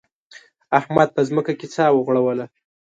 احمد په ځمکه کې سا وغوړوله.